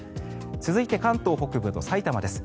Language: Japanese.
続いて、関東北部とさいたまです。